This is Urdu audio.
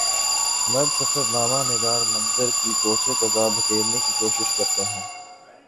مرد سفر نامہ نگار منظر کی کی قوس و قزح بکھیرنے کی کوشش کرتے ہیں